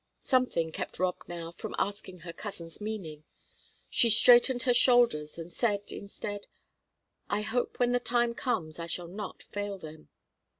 Something kept Rob now from asking her cousin's meaning. She straightened her young shoulders, and said, instead: "I hope when the time comes I shall not fail them."